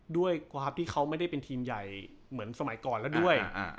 ด้วยความที่เขาไม่ได้เป็นทีมใหญ่เหมือนสมัยก่อนแล้วด้วย